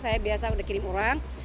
saya biasa udah kirim orang